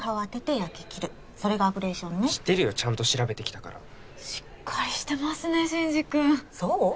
焼き切るそれがアブレーションね知ってるよちゃんと調べてきたからしっかりしてますね真司君そう？